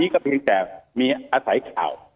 แต่วันนี้จะมีอาศัยข่าว